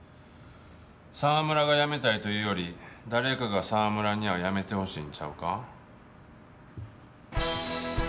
澤村が辞めたいというより誰かが澤村には辞めてほしいんちゃうか？